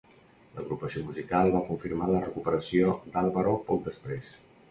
L'agrupació musical va confirmar la recuperació d'Álvaro poc després.